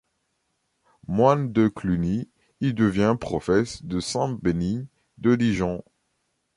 Moine de Cluny, il devient profès de Saint-Bénigne de Dijon.